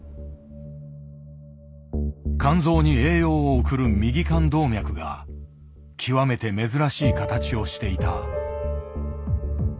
肝臓に栄養を送る「右肝動脈」が極めて珍しい形をしていた。